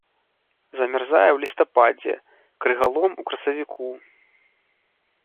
Замярзае ў лістападзе, крыгалом у красавіку.